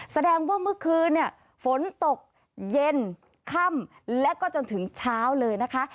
แสดงว่าเมื่อคืนเนี่ยฝนตกเย็นค่ำและก็จนถึงเช้าเลยนะคะ